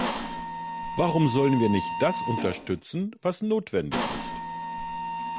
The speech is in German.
Warum sollten wir nicht das unterstützen, was notwendig ist?